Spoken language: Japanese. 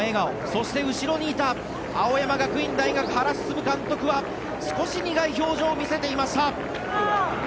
そして、後ろにいた青山学院大学、原晋監督は少し苦い表情を見せていました。